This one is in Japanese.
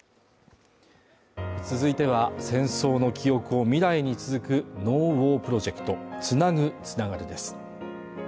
続いては戦争の記憶を未来につなぐ「ＮＯＷＡＲプロジェクトつなぐ、つながる」です